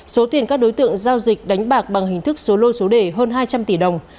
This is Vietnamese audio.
số tiền các đối tượng giao dịch đánh bạc bằng hình thức số lô số đề hơn hai trăm linh tỷ đồng